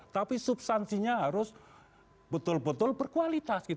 tapi substansinya harus betul betul berkualitas